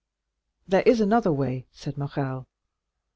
"There is another way," said Morrel.